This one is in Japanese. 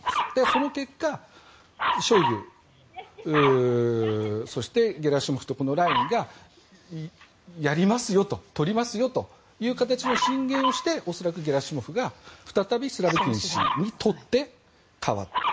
その結果ショイグ、ゲラシモフのラインがやりますよ、取りますよという形の進言をして恐らくゲラシモフが再びスロビキンに取って代わった。